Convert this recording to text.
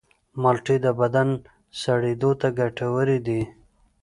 مالټې د بدن سړېدو ته ګټورې دي.